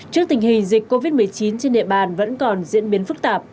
trước tình hình dịch covid một mươi chín trên địa bàn vẫn còn diễn biến phức tạp